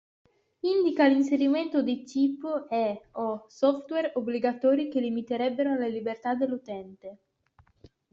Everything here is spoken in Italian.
Indica l'inserimento di chip e/o software obbligatori che limiterebbero le libertà dell'utente.